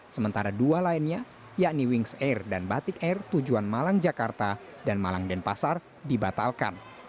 sementara dua lainnya yakni wings air dan batik air tujuan malang jakarta dan malang denpasar dibatalkan